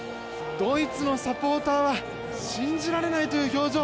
ドイツのサポーターは信じられないという表情。